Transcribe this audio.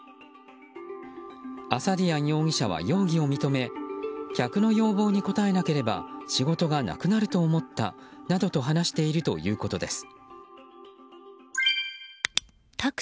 アサディアン容疑者は容疑を認め客の要望に応えなければ仕事がなくなると思ったなどと話しているということです。